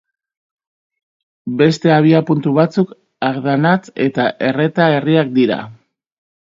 Beste abiapuntu batzuk Ardanatz eta Erreta herriak dira.